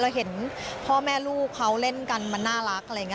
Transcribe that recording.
เห็นพ่อแม่ลูกเขาเล่นกันมันน่ารักอะไรอย่างนี้